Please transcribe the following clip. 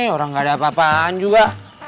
orang gak ada apa apaan juga